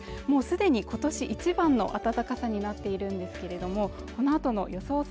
もうすでにことし一番の暖かさになっているんですけれどもこのあとの予想